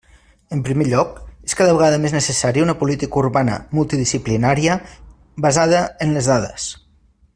En primer lloc, és cada vegada més necessària una política urbana multidisciplinària basada en les dades.